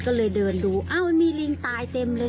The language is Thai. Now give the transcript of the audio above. ก็เลยเดินดูอ้าวมันมีลิงตายเต็มเลย